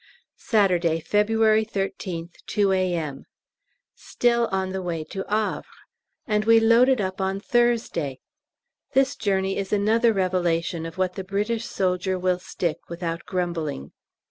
Saturday, February 13th, 2 A.M. Still on the way to Havre! And we loaded up on Thursday. This journey is another revelation of what the British soldier will stick without grumbling.